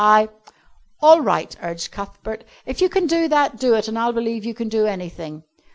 I " "All right," urged Cuthbert, "if you can do that, do it, and I'll believe you can do anything."